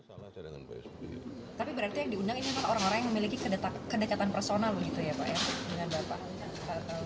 tapi berarti yang diundang ini orang orang yang memiliki kedekatan personal gitu ya pak